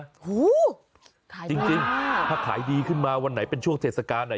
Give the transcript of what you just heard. โอ้โหขายจริงถ้าขายดีขึ้นมาวันไหนเป็นช่วงเทศกาลไหน